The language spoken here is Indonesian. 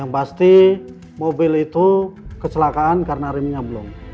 yang pasti mobil itu kecelakaan karena remnya belum